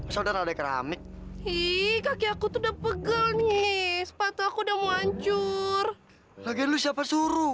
saudara dek rame ih kaki aku tuh udah pegel nih sepatu aku udah mau hancur lagi lu siapa suruh